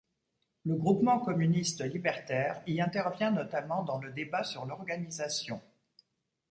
Le Groupement communiste libertaire y intervient notamment dans le débat sur l’organisation.